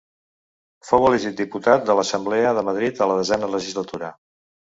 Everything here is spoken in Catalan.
Fou elegit diputat de l'Assemblea de Madrid a la desena legislatura.